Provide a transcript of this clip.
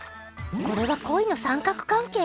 これは恋の三角関係！？